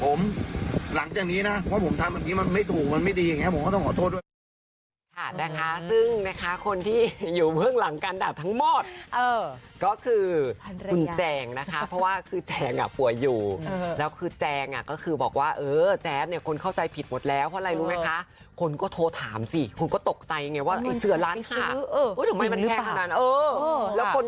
ผมหลังจากนี้นะว่าผมทำแบบนี้มันไม่ถูกมันไม่ดีอย่างนี้ผมก็ต้องขอโทษด้วย